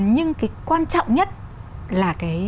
nhưng cái quan trọng nhất là cái